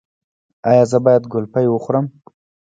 ایا زه باید ګلپي وخورم؟